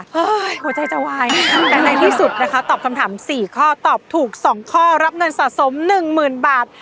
เฮ้ยหัวใจจะวายแต่ในที่สุดนะคะตอบคำถามสี่ข้อตอบถูกสองข้อรับเงินสะสมหนึ่งหมื่นบาท